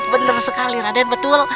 bener sekali raden betul